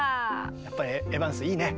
やっぱりエヴァンスいいね！